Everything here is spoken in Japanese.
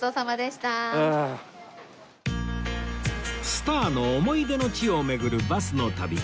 スターの思い出の地を巡るバスの旅